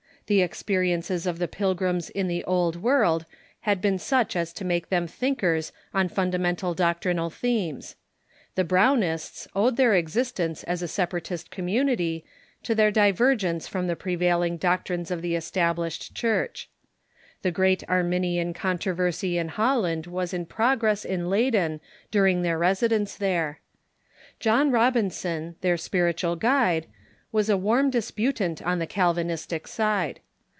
The experi ences of the Pilgrims in the Old World had been such as to make them thinkers on fundamental doctrinal themes. The Brownists owed their existence as a separatist community to THEOLOGICAL MOVEMENTS 4V9 their divergence from the prevailing doctrines of the Estab lished Church. The great Arniiuian controversy in Holland Theological ^^'"^^^"^ progress in Leyden during their residence Bent of the there. John Robinson, their spiritual guide, was a Puritan warni disputant on the Calvinistic side.